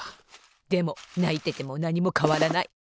でもないててもなにもかわらない！